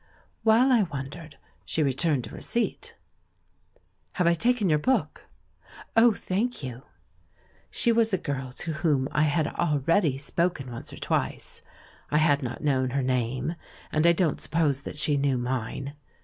While I wondered, she returned to her seat. "Have I taken j^our book?" [ "Oh, thank you!" She was a girl to whom I had already spoken once or twice; I had not known her name, and I don't suppose that she knew mine.